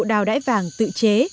đào đãi vàng tự chế